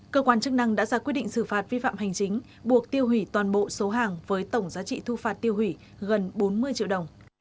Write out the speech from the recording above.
cơ quan chức năng đã ra quyết định xử phạt vi phạm hành chính buộc tiêu hủy toàn bộ số hàng với tổng giá trị thu phạt tiêu hủy gần bốn mươi triệu đồng